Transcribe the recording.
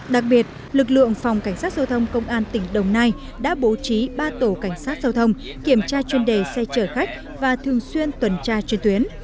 đặc biệt lực lượng phòng cảnh sát giao thông công an tỉnh đồng nai đã bố trí ba tổ cảnh sát giao thông kiểm tra chuyên đề xe chở khách và thường xuyên tuần tra trên tuyến